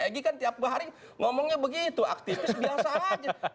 egy kan tiap hari ngomongnya begitu aktivis biasa aja